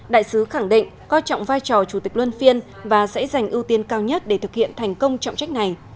đại sứ khẳng định coi trọng vai trò chủ tịch luân phiên và sẽ giành ưu tiên cao nhất để thực hiện thành công trọng trách này